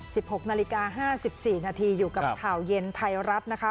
หกนาฬิกาห้าสิบสี่นาทีอยู่กับข่าวเย็นไทยรัฐนะคะ